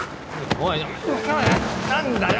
何だよ！